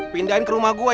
pindahin ke rumah gue